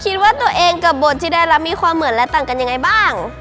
คิดว่าตัวเองกับบทที่ได้รับมีความเหมือนและต่างกันยังไงบ้าง